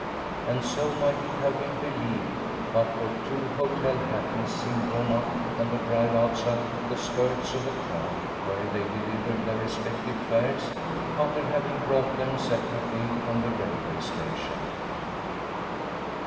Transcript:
And so might it have been believed, but for two hotel hackneys seen drawn up on the drive outside the skirts of the crowd where they delivered their respective fares, after having brought them separately from the railway station.